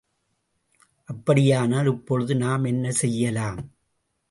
அப்படியானால் இப்பொழுது நாம் என்ன செய்யலாம்?